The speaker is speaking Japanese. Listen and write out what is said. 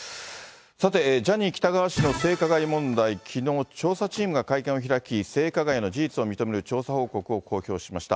さて、ジャニー喜多川氏の性加害問題、きのう、調査チームが会見を開き、性加害の事実を認める調査報告を公表しました。